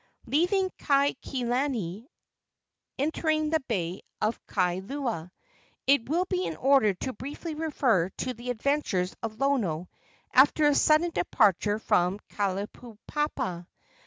Leaving Kaikilani entering the bay of Kailua, it will be in order to briefly refer to the adventures of Lono after his sudden departure from Kalaupapa.